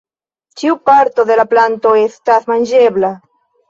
Ĉiu parto de la planto esta manĝebla.